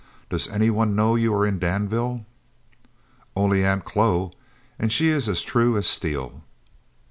Does any one know you are in Danville?" "Only Aunt Chloe, and she is as true as steel."